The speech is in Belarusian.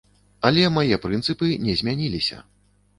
Але мае прынцыпы не змяніліся.